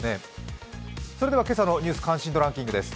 それでは今朝の「ニュース関心度ランキング」です。